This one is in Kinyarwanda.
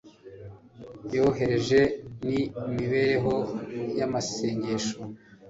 yoroheje ni mibereho yamasengesho